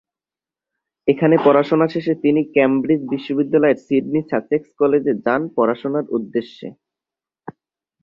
এখানে পড়াশোনা শেষে তিনি কেমব্রিজ বিশ্ববিদ্যালয়ের সিডনি সাসেক্স কলেজে যান পড়াশোনার উদ্দেশ্যে।